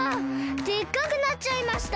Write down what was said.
でっかくなっちゃいました！